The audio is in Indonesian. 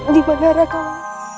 di bandara kau